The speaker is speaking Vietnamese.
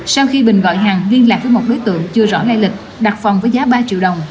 sau khi bình gọi hàng liên lạc với một đối tượng chưa rõ lai lịch đặt phòng với giá ba triệu đồng